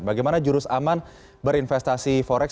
bagaimana jurus aman berinvestasi forex